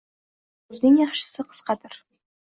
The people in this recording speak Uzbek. “Soʻzning yaxshisi – qisqadir”